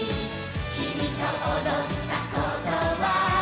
「きみとおどったことは」